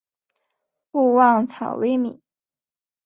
勿忘草微米。